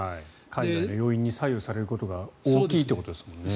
海外の要因に左右されることが大きいということですもんね。